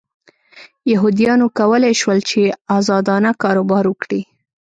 یهودیانو کولای شول چې ازادانه کاروبار وکړي.